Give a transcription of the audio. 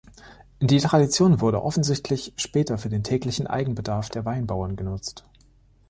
Die Tradition wurde offensichtlich später für den täglichen Eigenbedarf der Weinbauern genutzt.